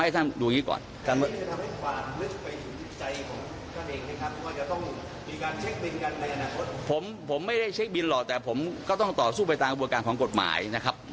แต่ผมก็ต้องต่อสู้ไปตามกับบวกการของกฎหมายนะครับ